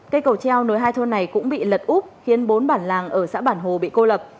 cây cầu treo nối hai thôn này cũng bị lật úp khiến bốn bản làng ở xã bản hồ bị cô lập